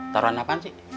taruhan apaan sih